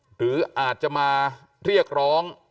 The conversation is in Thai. หรืออาจจะมาเรียกร้อง